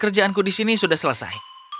kerjaanku di sini sudah selesai